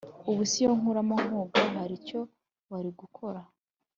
Ubuse iyo nkuramo nkoga haricyo wari gukora